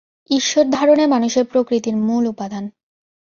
ঈশ্বর-ধারণাই মানুষের প্রকৃতির মূল উপাদান।